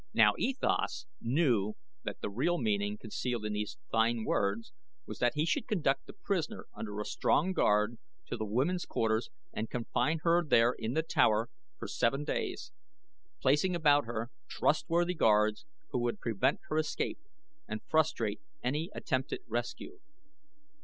Now E Thas knew that the real meaning concealed in these fine words was that he should conduct the prisoner under a strong guard to the women's quarters and confine her there in the tower for seven days, placing about her trustworthy guards who would prevent her escape or frustrate any attempted rescue.